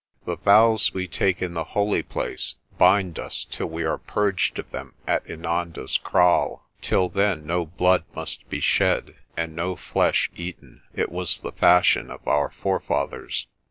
"The vows we take in the holy place bind us till we are purged of them at Inanda's Kraal. Till then no blood must be shed and no flesh eaten. It was the fashion of our forefathers."